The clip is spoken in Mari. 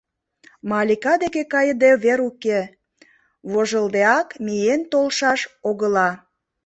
Малика деке кайыде вер уке, вожылдеак миен толшаш огыла...